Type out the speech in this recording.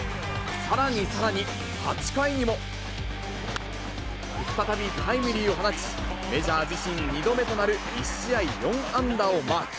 さらにさらに、８回にも、再びタイムリーを放ち、メジャー自身２度目となる１試合４安打をマーク。